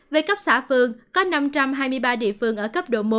về cấp xã phường có năm trăm hai mươi ba địa phương ở cấp độ một